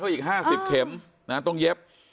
หรืออีกห้าสิบเข็มนะต้องเย็บ